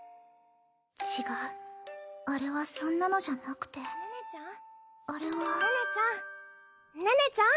違うあれはそんなのじゃなくてあれは寧々ちゃん寧々ちゃん！